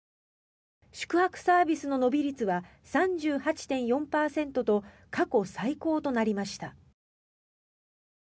宿泊サービスの伸び率は３８．４％と過去最高となりました。